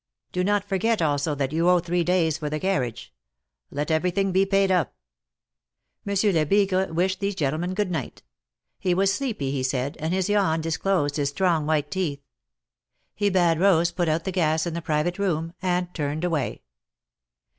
Do not forget also that you owe three days for the carriage. Let everything be paid up.'^ Monsieur Lebigre wished these gentlemen good night. He was sleepy, he said, and his yawn disclosed his strong white teeth. He bade Rose put out the gas in the private room, and turned away.